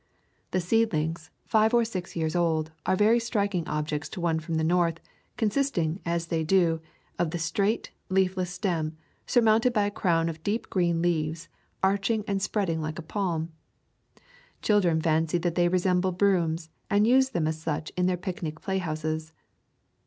The seedlings, five or six years old, are very striking objects to one from the North, con sisting, as they do, of the straight, leafless stem, surmounted by a crown of deep green leaves, arching and spreading like a palm. Children fancy that they resemble brooms, and use them as such in their picnic play houses.